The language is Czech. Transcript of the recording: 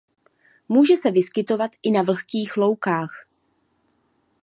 Může se vyskytovat i na vlhkých loukách.